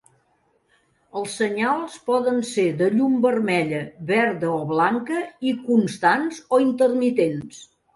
Els senyals poden ser de llum vermella, verda o blanca, i constants o intermitents.